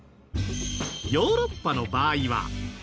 ヨーロッパの場合は。